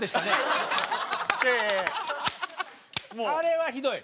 あれはひどい！